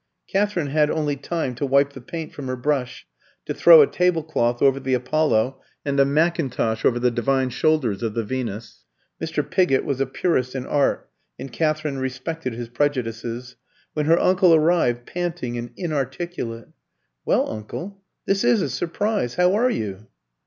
Katherine had only time to wipe the paint from her brush, to throw a tablecloth over the Apollo and a mackintosh over the divine shoulders of the Venus Mr. Pigott was a purist in art, and Katherine respected his prejudices when her uncle arrived, panting and inarticulate. "Well, uncle, this is a surprise! How are you?"